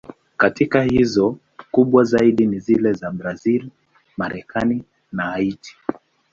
Katika hizo, kubwa zaidi ni zile za Brazil, Marekani na Haiti.